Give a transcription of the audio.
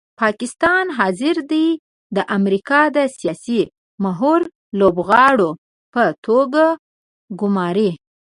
پاکستان حاضر دی د امریکا د سیاسي مهرو لوبغاړو په توګه ګوماري.